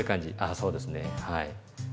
あそうですね。はい。